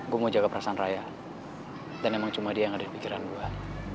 gue mau jaga perasaan raya dan emang cuma dia yang ada di pikiran gue